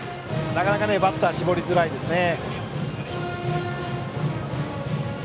なかなかバッターは絞りづらいですね。